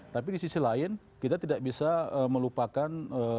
tapi di sisi lain kita tidak bisa melupakan